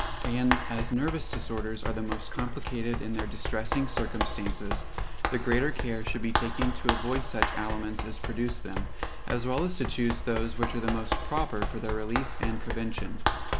And as nervous disorders are the most complicated in their distressing circumstances, the greater care should be taken to avoid such aliments as produce them, as well as to choose those which are the most proper for their relief and prevention.